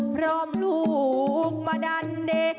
คลอมหลู่กมาดันเน่